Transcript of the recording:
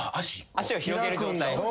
足を広げる状態。